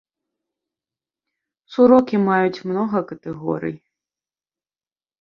Сурокі маюць многа катэгорый.